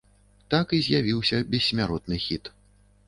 Так і з'явіўся бессмяротны хіт.